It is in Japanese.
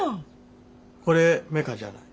これメカじゃない。